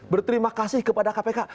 berterima kasih kepada kpk